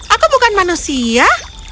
aku bukan manusia